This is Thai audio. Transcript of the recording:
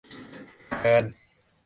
เดิน